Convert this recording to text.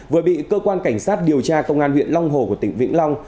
vừa bị cơ quan cảnh sát điều tra công an huyện long hồ của tỉnh vĩnh long